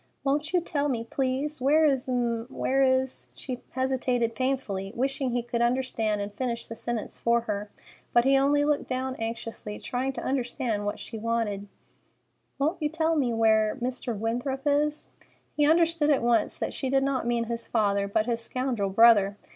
"Won't you tell me—please—where is—m'—where is——" She hesitated painfully, wishing he would understand and finish the sentence for her; but he only looked down anxiously, trying to understand what she wanted. "Won't you please tell me where—Mr. Winthrop is?" He understood at once that she did not mean his father, but his scoundrel brother.